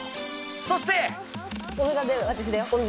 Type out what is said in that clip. そして